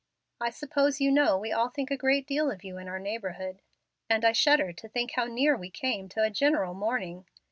I suppose you know we all think a great deal of you in our neighborhood, and I shudder to think how near we came to a general mourning.